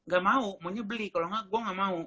gak mau maunya beli kalo gak gue gak mau